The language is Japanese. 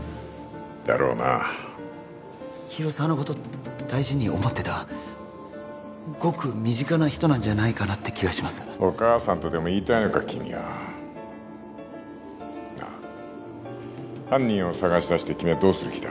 だろうな広沢のこと大事に思ってたごく身近な人なんじゃないかなって気がしますお母さんとでも言いたいのか君はなあ犯人を捜し出して君はどうする気だ？